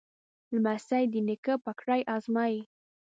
لمسی د نیکه پګړۍ ازمایي.